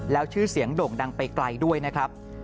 แล้วชื่อเสียงโด่งดังไปไกลด้วยนะครับ